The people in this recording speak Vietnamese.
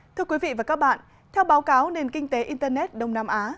thưa quý vị và các bạn theo báo cáo nền kinh tế internet đông nam á